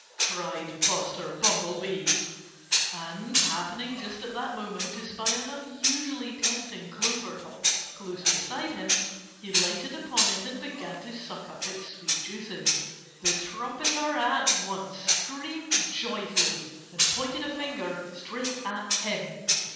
cried Buster Bumblebee. And happening just at that moment to spy an unusually tempting clover top close beside him, he lighted upon it and began to suck up its sweet juices. The trumpeter at once screamed joyfully and pointed a finger straight at him.